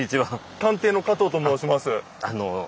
探偵の加藤と申します。